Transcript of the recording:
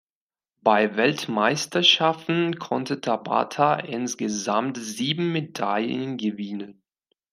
Bei Weltmeisterschaften konnte Tabata insgesamt sieben Medaillen gewinnen.